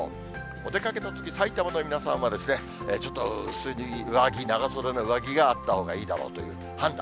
お出かけのとき、さいたまの皆さんはちょっと薄い上着、長袖の上着があったほうがいいだろうという判断。